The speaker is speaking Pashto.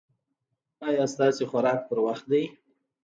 ایا ستاسو خوراک په وخت دی؟